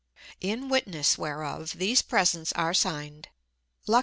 In Witness Whereof these presents are signed, (LOC.